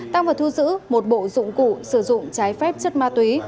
tăng vật thu giữ một bộ dụng cụ sử dụng trái phép chất ma túy